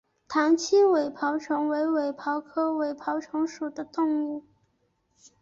塘栖尾孢虫为尾孢科尾孢虫属的动物。